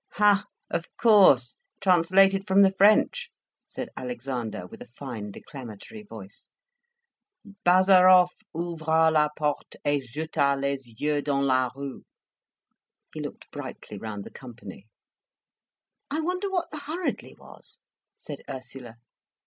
"Ha!—of course—translated from the French," said Alexander, with a fine declamatory voice. "Bazarov ouvra la porte et jeta les yeux dans la rue." He looked brightly round the company. "I wonder what the 'hurriedly' was," said Ursula.